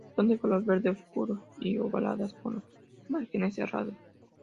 Son de color verde oscuro y ovaladas con los márgenes serrados.